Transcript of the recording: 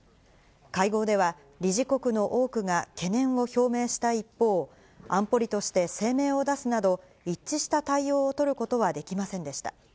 会合では、理事国の多くが懸念を表明した一方、安保理として声明を出すなど、一致した対応を取ることはできませんでした。